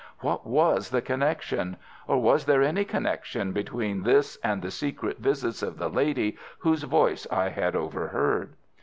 What was the connection, or was there any connection between this and the secret visits of the lady whose voice I had overheard?